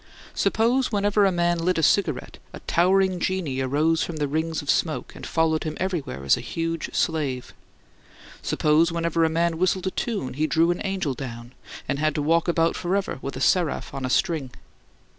Suppose whenever a man lit a cigarette, a towering genie arose from the rings of smoke and followed him everywhere as a huge slave. Suppose whenever a man whistled a tune he "drew an angel down" and had to walk about forever with a seraph on a string.